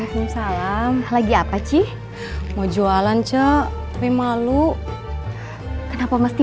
waalaikumsalam lagi apa cih mau jualan cak tapi malu kenapa mesti